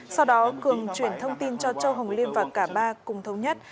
sau đó cường chuyển thông tin cho châu hồng liêm và cả ba cùng thống nhất